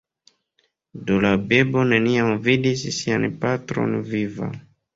Do la bebo neniam vidis sian patron viva.